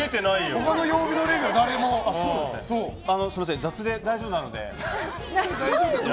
他の曜日のレギュラーはすみません、雑で大丈夫なので。